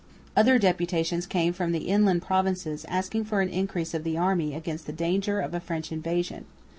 Other deputations came from the inland provinces, asking for an increase of the army against the danger of a French invasion.